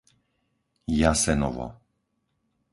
Jasenovo